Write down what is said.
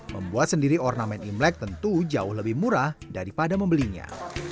membuat sendiri ornamen imlek tentu jauh lebih murah daripada membelinya